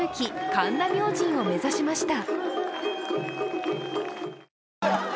神田明神を目指しました。